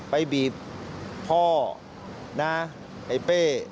ไปบีบพ่อไอ้เป้